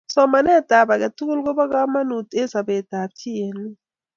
somanetab age tugul koba kamanuut eng sobetab chii eng ngweny